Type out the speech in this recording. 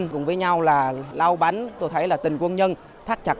cùng với nhau là lau bánh tôi thấy là tình quân nhân thắt chặt